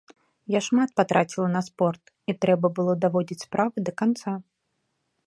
Я шмат патраціла на спорт, і трэба было даводзіць справу да канца.